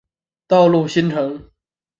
道路新城。